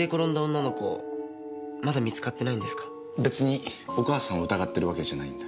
別にお母さんを疑ってるわけじゃないんだ。